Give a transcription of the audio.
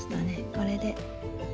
これで。